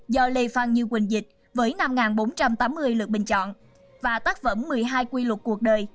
do lê phan như quỳnh dịch với năm bốn trăm tám mươi lượt bình chọn và tác phẩm một mươi hai quy luật cuộc đời